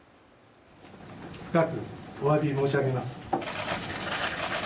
深くお詫び申し上げます。